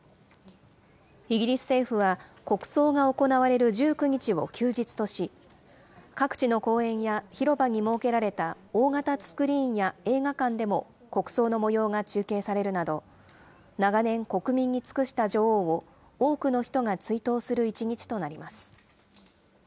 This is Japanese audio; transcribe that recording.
イギリス政府は国葬が行われる１９日を休日とし、各地の公園や広場に設けられた大型スクリーンや映画館でも国葬のもようが中継されるなど、長年、国民に尽くした女王を多くの人が追悼する一日となります。